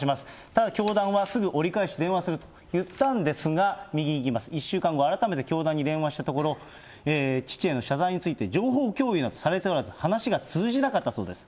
ただ、教団はすぐ折り返し電話すると言ったんですが、右行きます、１週間後改めて教団に電話したところ、父への謝罪について、情報共有がされておらず、話が通じなかったそうです。